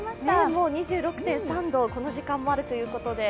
もう２６．３度、この時間もあるということで。